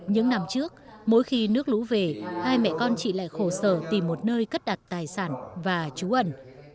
những năm trước mỗi khi nước lũ về hai mẹ con chị lại khổ sở tìm một nơi cất đặt tài sản và trú ẩn